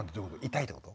痛いってこと？